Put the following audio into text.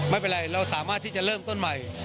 ไม่เป็นไรเราสามารถที่จะเริ่มต้นใหม่